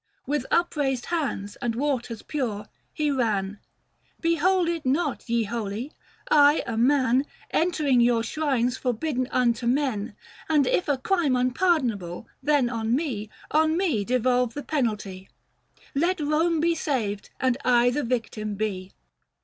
530 With upraised hands and waters pure, he ran :" Behold it not, ye holy ! I a man Entering your shrines forbidden unto men, And, if a crime unpardonable, then v On me, on me, devolve the penalty, 535 Let Koine be saved, and I the victim be."